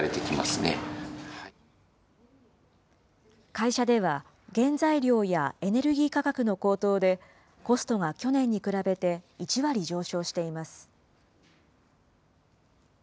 会社では、原材料やエネルギー価格の高騰で、コストが去年に比べて１割上昇しています。